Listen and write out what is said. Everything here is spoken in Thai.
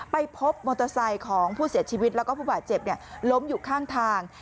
ไปพบมอเตอร์ไซค์ของผู้เสียชีวิตแล้วก็ผู้บาดเจ็บล้มอยู่ข้างทาง